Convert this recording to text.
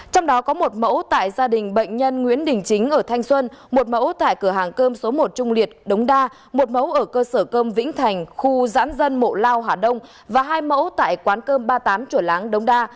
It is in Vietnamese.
trong đó có một mẫu tại gia đình bệnh nhân nguyễn đình chính ở thanh xuân một mẫu tại cửa hàng cơm số một trung liệt đống đa một mẫu ở cơ sở cơm vĩnh thành khu giãn dân mộ lao hà đông và hai mẫu tại quán cơm ba mươi tám chùa láng đống đa